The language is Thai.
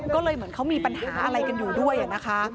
ก็เลยเหมือนเขามีปัญหาอะไรกันอยู่ด้วยนะคะ